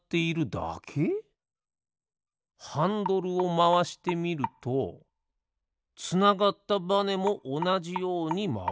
ハンドルをまわしてみるとつながったバネもおなじようにまわる。